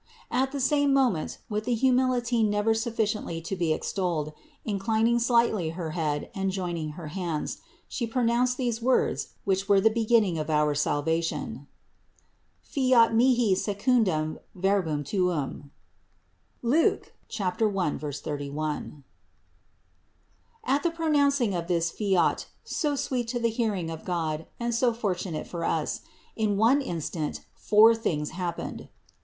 At the same moment, with a humility never sufficiently to be extolled, inclining slightly her head and joining her hands, She pro nounced these words, which were the beginning of our salvation: "Fiat mihi secundum verbum tuum" (Luke 1,31). 138. At the pronouncing of this "fiat," so sweet to the hearing of God and so fortunate for us, in one in stant, four things happened.